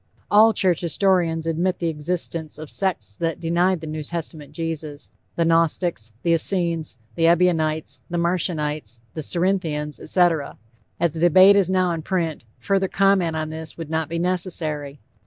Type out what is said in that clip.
All church historians admit the existence of sects that denied the New Testament Jesus the Gnostics, the Essenes, the Ebionites, the Marcionites, the Cerinthians, etc. As the debate is now in print, further comment on this would not be necessary.